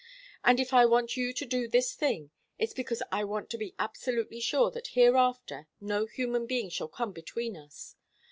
And if I want you to do this thing it's because I want to be absolutely sure that hereafter no human being shall come between us.